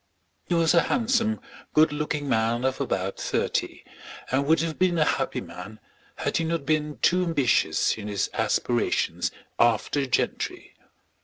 He was a handsome, good looking man of about thirty, and would have been a happy man had he not been too ambitious in his aspirations after gentry.